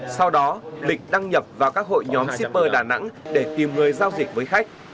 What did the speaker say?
sau đó lịch đăng nhập vào các hội nhóm shipper đà nẵng để tìm người giao dịch với khách